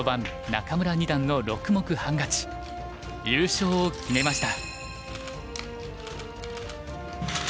優勝を決めました。